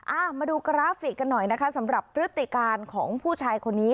อ่ามาดูกราฟิกกันหน่อยนะคะสำหรับพฤติการของผู้ชายคนนี้